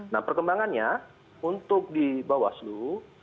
nah perkembangannya untuk di bawaslu